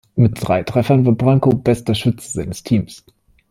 Mit drei Treffern war Branco bester Schütze seines Teams.